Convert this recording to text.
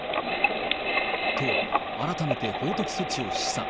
と、改めて法的措置を示唆。